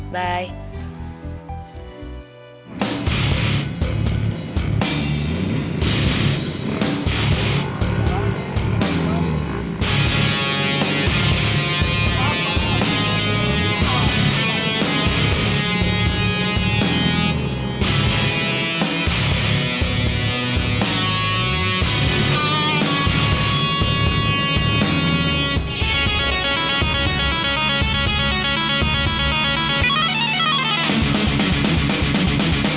gue tunggu ya